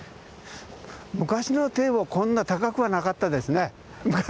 昔の堤防はこんな高くはなかったですね。